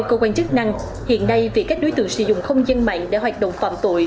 và các cơ quan chức năng hiện nay việc các đối tượng sử dụng không dân mạng để hoạt động phạm tội